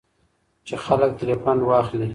چې خلک ترې پند واخلي.